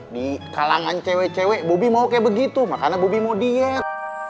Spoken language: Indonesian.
di kalangan cewek cewek bobby mau kayak begitu makanan bobi mau diet